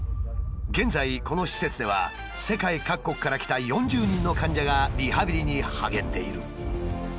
現在この施設では世界各国から来た４０人の患者がリハビリに励んでいる。